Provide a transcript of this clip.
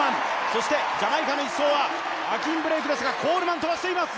そしてジャマイカの１走はブレイクですがコールマン飛ばしています